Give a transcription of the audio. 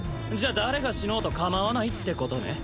誰が死のうとかまわないってことね